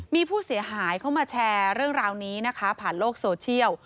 มีผู้เสียหายเข้ามาแชร์เรื่องราวนี้นะคะผ่านโลกโซเชียล